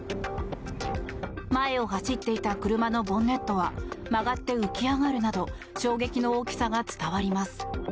前を走っていた車のボンネットは曲がって浮き上がるなど衝撃の大きさが伝わります。